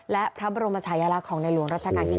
และพระบรมชายลักษณ์ของในหลวงรัชกาลที่๙